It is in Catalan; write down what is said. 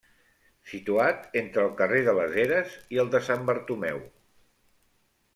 Situat entre el carrer de les Eres i el de Sant Bartomeu.